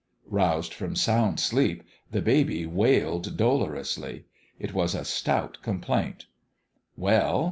Roused from sound sleep, the baby wailed dolorously. It was a stout complaint. "Well?"